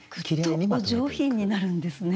グッとお上品になるんですね。